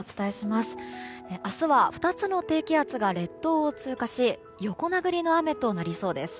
明日は２つの低気圧が列島を通過し横殴りの雨となりそうです。